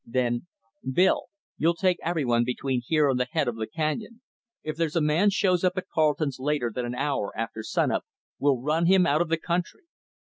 Then "Bill, you'll take every one between here and the head of the canyon. If there's a man shows up at Carleton's later than an hour after sunup, we'll run him out of the country.